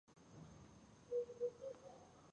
ایا ستاسو تاریخ به نه ساتل کیږي؟